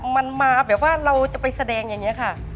มันมาแบบว่าเราจะไปแสดงอย่างนี้ค่ะ